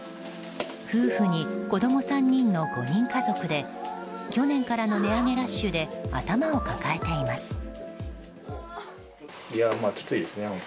夫婦に子供３人の５人家族で去年からの値上げラッシュで頭を抱えています。